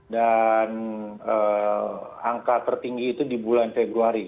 dan angka tertinggi itu di bulan februari